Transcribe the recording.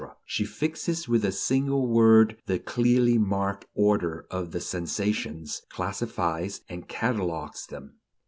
she fixes with a single word the clearly marked order of the sensations, classifies, and "catalogues" them.